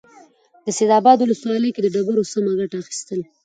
د سيدآباد ولسوالۍ له ډبرو سمه گټه اخيستل: